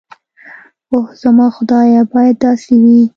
اوح زما خدايه بايد داسې وي.